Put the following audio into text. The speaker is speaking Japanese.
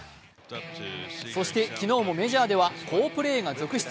そして昨日もメジャーでは好プレーが続出。